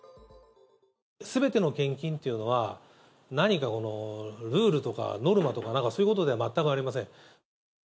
すべての献金というのは、何かこの、ルールとかノルマとか、なんかそういうことでは全くありません。